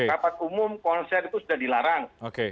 rapat umum konser itu sudah dilarang